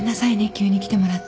急に来てもらって。